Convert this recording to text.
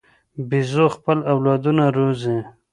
بیزو خپل اولادونه روزي.